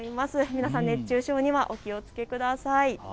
皆さん、熱中症にはお気をつけください。